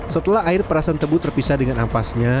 setelah air perasan tebu terpisah dengan ampasnya